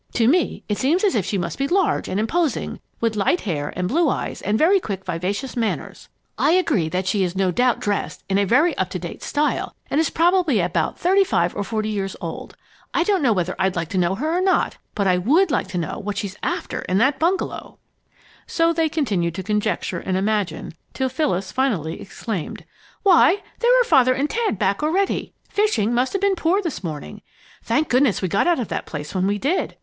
"To me it seems as if she must be large and imposing, with light hair and blue eyes and very quick, vivacious manners. I agree that she is no doubt dressed in a very up to date style, and is probably about thirty five or forty years old. I don't know whether I'd like to know her or not, but I would like to know what she's after in that bungalow!" So they continued to conjecture and imagine till Phyllis finally exclaimed: "Why, there are Father and Ted back already! Fishing must have been poor this morning. Thank goodness we got out of that place when we did!